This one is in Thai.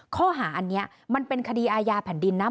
ข้อหาอันนี้มันเป็นคดีอาญาแผ่นดินนะ